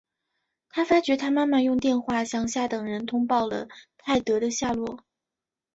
他发觉他妈妈用电话向下等人通报了泰德的下落。